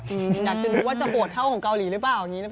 อยากจะรู้ว่าจะโหดเท่าของเกาหลีหรือเปล่า